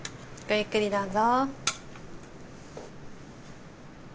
ゆっくりどうぞ。